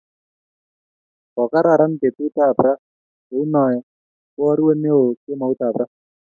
kokararan betukab ra, kou noee ko orue neoo kemoutab ra